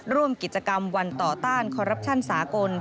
ร่วมกิจกรรมวันต่อต้านคอรัปชั่นสากล